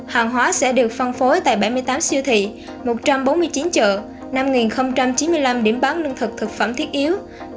hàng hóa sẽ được phân phối tại bảy mươi tám siêu thị một trăm bốn mươi chín chợ năm chín mươi năm điểm bán lương thực thực phẩm thiết yếu